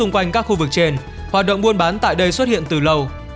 quanh các khu vực trên hoạt động buôn bán tại đây xuất hiện từ lâu